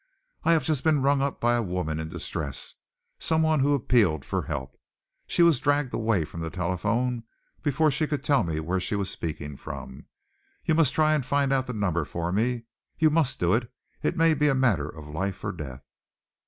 I have just been rung up by a woman in distress some one who appealed for help. She was dragged away from the telephone before she could tell me where she was speaking from. You must try and find out the number for me. You must do it! It may be a matter of life or death!"